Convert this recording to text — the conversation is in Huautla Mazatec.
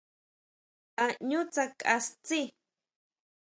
A ʼñú tsakʼa tsjí?